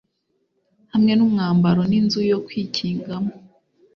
hamwe n'umwambaro n'inzu yo kwikingamo